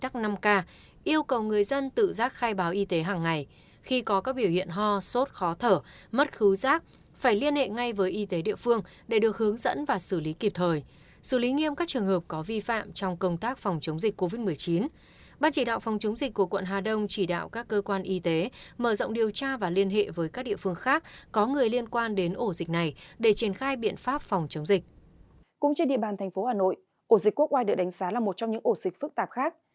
cũng trên địa bàn thành phố hà nội ổ dịch quốc ngoài được đánh xá là một trong những ổ dịch phức tạp khác